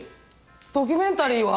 ドキュメンタリーは？